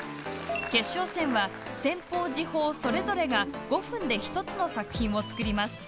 決勝戦は先鋒、次鋒それぞれが５分で１つの作品を作ります。